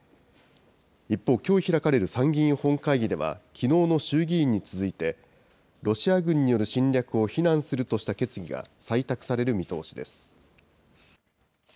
一方、きょう開かれる参議院本会議では、きのうの衆議院に続いて、ロシア軍による侵略を非難するとした決議が採択される見通しです。